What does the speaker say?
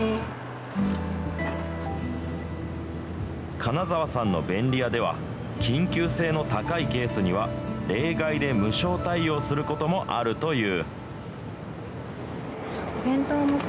金澤さんの便利屋では、緊急性の高いケースには、例外で無償対応することもあるという。